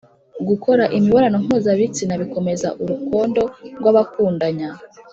gukora imibonano mpuzabitsina bikomeza urukondo rw’abakundanya